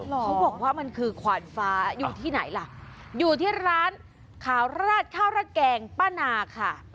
เขาบอกว่ามันคือขวานฟ้าอยู่ที่ไหนล่ะอยู่ที่ร้านขาวราดข้าวระแกงป้านาค่ะ